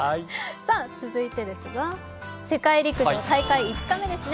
さあ、続いて世界陸上、大会５日目ですね。